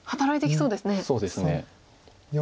そうですね。